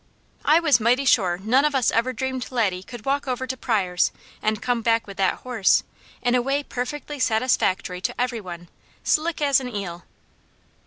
I was mighty sure none of us ever dreamed Laddie could walk over to Pryors', and come back with that horse, in a way perfectly satisfactory to every one, slick as an eel.